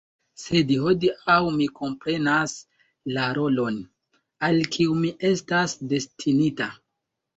Sed hodiaŭ mi komprenas la rolon, al kiu mi estas destinita.